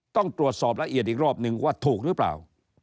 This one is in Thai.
ต้องตรวจสอบละเอียดอีกรอบนึงว่าถูกหรือเปล่า